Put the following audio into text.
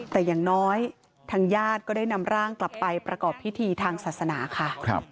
แต่อย่างน้อยทางญาติก็ได้นำร่างกลับไปประกอบพิธีทางศาสนาค่ะ